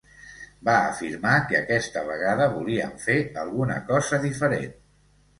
Va afirmar que aquesta vegada volien fer alguna cosa diferent.